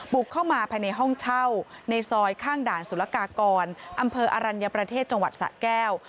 บุกเข้ามาภายในห้องเช่าในซอยข้างด่านสุรกากรอำเภออรัญญประเทศจังหวัดสะแก้ว